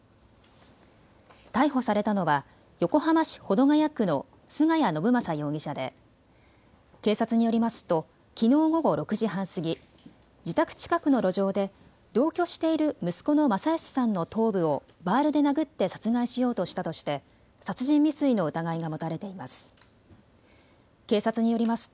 逮捕されたのは横浜市保土ケ谷区の菅谷信正容疑者で警察によりますときのう午後６時半過ぎ、自宅近くの路上で同居している息子の昌良さんの頭部をバールで殴って殺害しようとしたとして殺人未遂の疑いが持たれています。